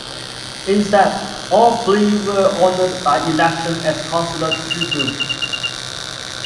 Instead, all three were honored by election as consular tribunes.